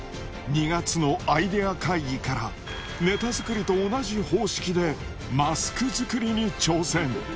２月のアイデア会議から、ネタ作りと同じ方式で、マスク作りに挑戦。